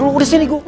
lo udah sini gue